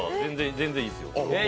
全然いいっすよ。